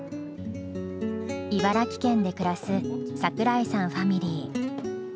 茨城県で暮らす櫻井さんファミリー。